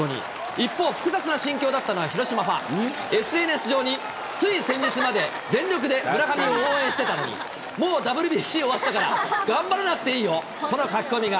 一方、複雑な心境だったのは、ＳＮＳ上に、つい先日まで全力で村上を応援してたのに、もうＷＢＣ終わったから、頑張らなくていいよとの書き込みが。